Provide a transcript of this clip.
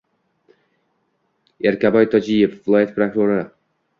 Erkabay Tojiyev - viloyat prokurori;